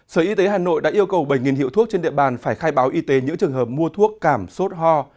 sở y tế hà nội đã yêu cầu bảy hiệu thuốc trên địa bàn phải khai báo y tế những trường hợp mua thuốc cảm sốt ho